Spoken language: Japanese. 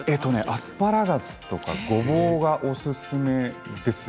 アスパラガスとかごぼうがおすすめです。